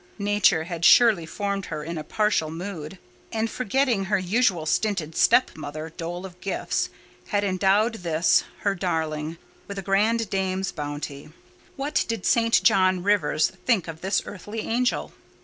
Nature had surely formed her in a partial mood; and, forgetting her usual stinted step mother dole of gifts, had endowed this, her darling, with a grand dame's bounty. What did St. John Rivers think of this earthly angel?